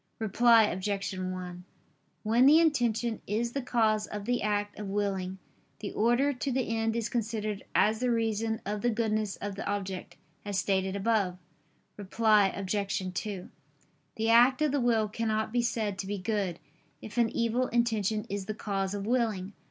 Reply Obj. 1: When the intention is the cause of the act of willing, the order to the end is considered as the reason of the goodness of the object, as stated above. Reply Obj. 2: The act of the will cannot be said to be good, if an evil intention is the cause of willing.